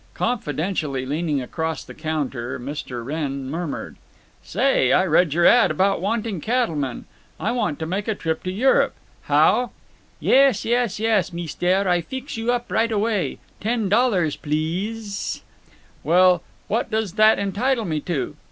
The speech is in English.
Confidentially leaning across the counter, Mr. Wrenn murmured: "Say, I read your ad. about wanting cattlemen. I want to make a trip to Europe. How—?" "Yes, yes, yes, yes, Mistaire. I feex you up right away. Ten dollars pleas s s s." "Well, what does that entitle me to?"